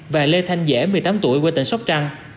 và lê thanh dễ một mươi tám tuổi quê tỉnh sóc trăng